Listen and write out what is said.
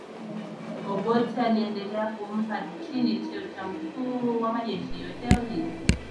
Obote aliendelea kumpa Amin cheo cha mkuu wa majeshi yote ya ulinzi